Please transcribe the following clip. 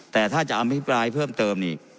แต่ถ้าจะอภิปรายเพิ่มเติมนี่